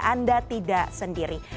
anda tidak sendiri